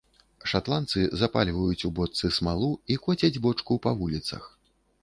Шатландцы запальваюць у бочцы смалу і коцяць бочку па вуліцах.